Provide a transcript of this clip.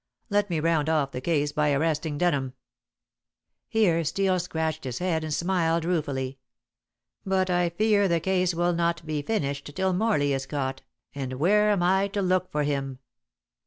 Let me round off the case by arresting Denham." Here Steel scratched his head and smiled ruefully. "But I fear the case will not be finished till Morley is caught, and where am I to look for him?